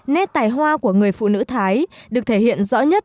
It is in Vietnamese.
nét tài hoa của người phụ nữ thái được thể hiện rõ nhất